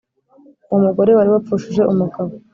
uwo mugore wari wapfushije umugabo